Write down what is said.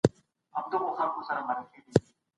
که بشري حقونه خوندي سي ټولنه به پرمختګ وکړي.